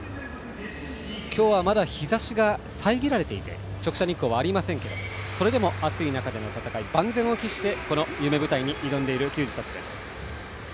今日はまだ日ざしがさえぎられていて直射日光はありませんがそれでも暑い中での戦い万全を期してこの夢舞台に挑む球児たちです。